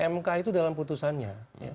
mk itu dalam keputusannya